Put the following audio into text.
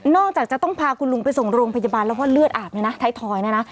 จากจะต้องพาคุณลุงไปส่งโรงพยาบาลแล้วว่าเลือดอาบเนี่ยนะไทยทอยเนี่ยนะ